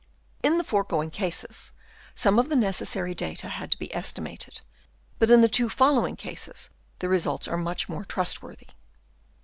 In the foregoing cases some of the necessary data had to be estimated, but in the two following cases the results are much more trustworthy.